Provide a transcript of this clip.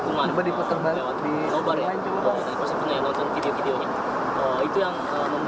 tidak tahu ada ada ada